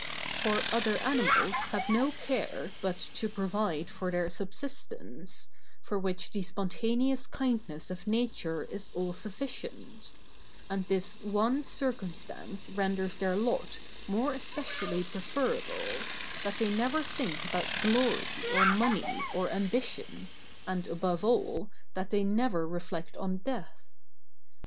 For other animals have no care but to provide for their subsistence, for which the spontaneous kindness of nature is all sufficient; and this one circumstance renders their lot more especially preferable, that they never think about glory, or money, or ambition, and, above all, that they never reflect on death.